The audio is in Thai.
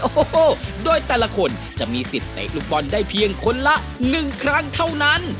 โอ้โหโดยแต่ละคนจะมีสิทธิ์เตะลูกบอลได้เพียงคนละ๑ครั้งเท่านั้น